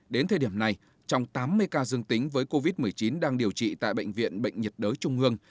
đến thời điểm này trong tám mươi ca dương tính với covid một mươi chín đang điều trị tại bệnh viện bệnh nhiệt đới trung hương